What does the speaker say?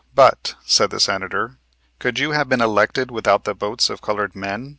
"But," said the Senator, "could you have been elected without the votes of colored men?